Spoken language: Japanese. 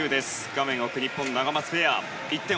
画面奥が日本、ナガマツペア。